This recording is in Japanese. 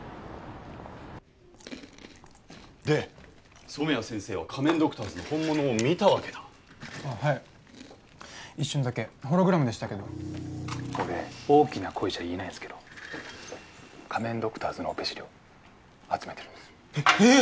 で染谷先生は仮面ドクターズの本物を見たわけだああはい一瞬だけホログラムでしたけど俺大きな声じゃ言えないんですけど仮面ドクターズのオペ資料集めてるんですえっええ！